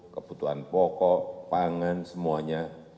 kebutuhan pokok pangan semuanya